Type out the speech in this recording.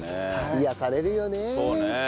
癒やされるよね。